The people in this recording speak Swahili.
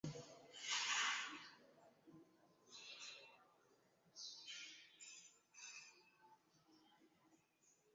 Kiumbe huyu ana urefu wa hadi mita kumi wamekuzwa katika maabara baada ya wanasayansi